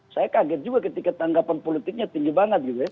saya kaget juga ketika tanggapan politiknya tinggi banget gitu ya